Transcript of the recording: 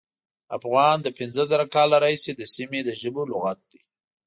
افغان له پینځه زره کاله راهیسې د سیمې د ژبو لغت دی.